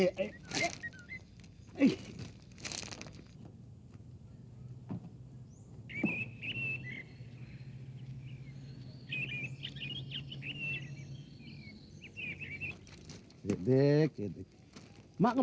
ini ditancap tancap gini